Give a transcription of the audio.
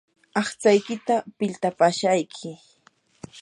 aqtsaykita piltapaashayki.